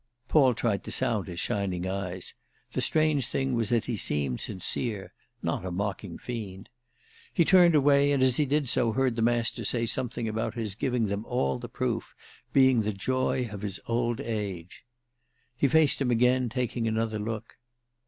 Paul tried to sound his shining eyes; the strange thing was that he seemed sincere—not a mocking fiend. He turned away, and as he did so heard the Master say something about his giving them all the proof, being the joy of his old age. He faced him again, taking another look.